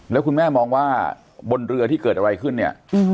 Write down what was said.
แล้วคุณแม่มองว่าบนเรือที่เกิดอะไรขึ้นเนี่ย